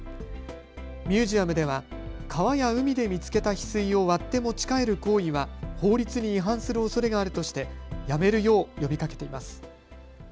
ミュージアムでは川や海で見つけたヒスイを割って持ち帰る行為は法律に違反するおそれがあるとしてやめるよう呼びかけています。